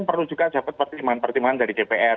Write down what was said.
perlu juga dapat pertimbangan pertimbangan dari dpr